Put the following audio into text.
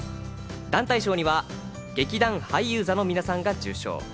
団体賞には劇団俳優座の皆さんが受賞。